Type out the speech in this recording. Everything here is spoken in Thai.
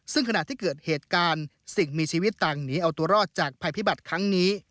ซึ่งขณะที่เกิดเหตุการณ์สิ่งมีชีวิตต่างหนีเอาตัวรอดจากภัยพิบัติครั้งนี้